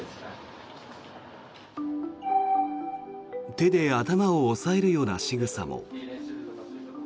手で頭を押さえるようなしぐさも。